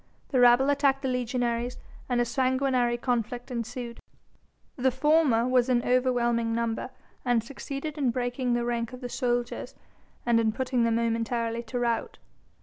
The rabble attacked the legionaries and a sanguinary conflict ensued. The former was in overwhelming number and succeeded in breaking the rank of the soldiers, and in putting them momentarily to rout.